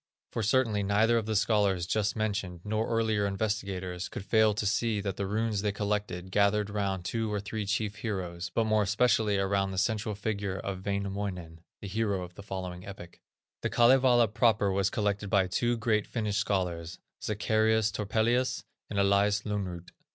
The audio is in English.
For certainly neither of the scholars just mentioned, nor earlier investigators, could fail to see that the runes they collected, gathered round two or three chief heroes, but more especially around the central figure of Wainamoinen, the hero of the following epic. The Kalevala proper was collected by two great Finnish scholars, Zacharias Topelius and Elias Lönnrot.